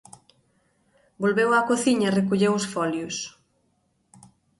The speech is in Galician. Volveu á cociña e recolleu os folios.